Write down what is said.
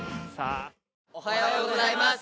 おはようございます。